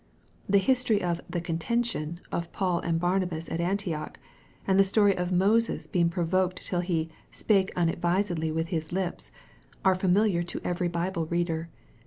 The history of " the contention" of Paul and Barnabas at Antioch, and the story of Moses being provoked till he " spake unadvisedly with his lips," are familiar to every Bible reader.